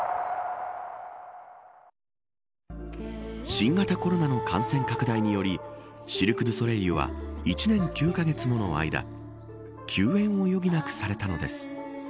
新型コロナの感染拡大によりシルク・ドゥ・ソレイユは１年９カ月もの間休演を余儀なくされたのです。